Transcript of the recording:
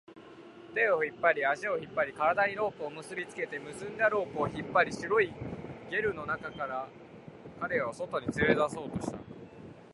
手を引っ張り、足を引っ張り、体にロープを結びつけて、結んだロープを引っ張り、白いゲルの中から彼を外に連れ出そうとした